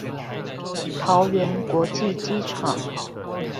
桃園國際機場